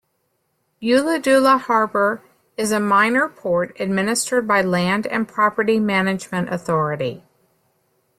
Ulladulla Harbour is a minor port administered by Land and Property Management Authority.